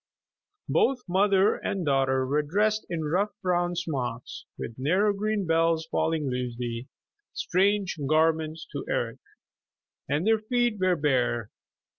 Both mother and daughter were dressed in rough brown smocks, with narrow green belts falling loosely, strange garments to Eric. And their feet were bare.